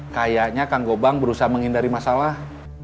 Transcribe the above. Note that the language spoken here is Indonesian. kayaknya kang gobang berusaha menghindari masalah